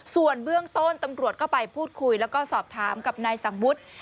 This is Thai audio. ส่วนเบื้องต้นตำรวจก็ไปพูดคุยแล้วก็สอบถามกับนายสังวุฒิ